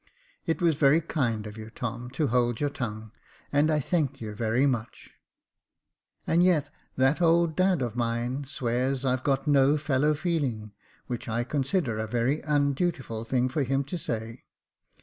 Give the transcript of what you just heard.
" It was very kind of you, Tom, to hold your tongue, and I thank you very much." " And yet that old dad of mine swears I've got no fellow feeling, which I consider a very undutiful thing 128 Jacob Faithful for him to say.